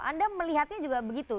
anda melihatnya juga begitu